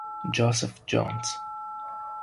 Joseph Jones